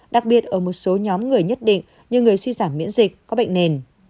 đặc biệt ở một số nhóm người nhất định như người suy giảm miễn dịch có bệnh nền